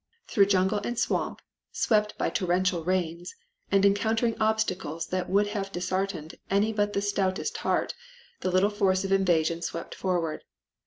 Through jungle and swamp, swept by torrential rains and encountering obstacles that would have disheartened any but the stoutest heart, the little force of invasion swept forward.